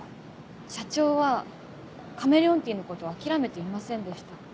社長はカメレオンティーのこと諦めていませんでした。